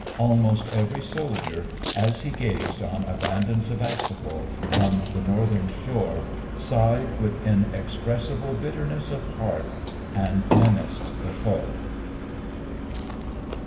Almost every soldier, as he gazed on abandoned Sevastopol, from the northern shore, sighed with inexpressible bitterness of heart, and menaced the foe.